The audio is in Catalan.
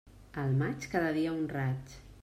Al maig, cada dia un raig.